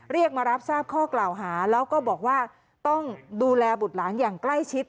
เรียกมารับทราบข้อกล่าวหาแล้วก็บอกว่าต้องดูแลบุตรหลานอย่างใกล้ชิด